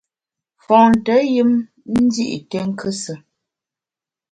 Fonte yùm ndi’ yi nté nkusù.